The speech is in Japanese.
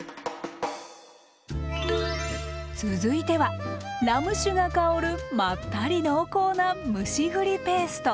続いてはラム酒が香るまったり濃厚な蒸し栗ペースト。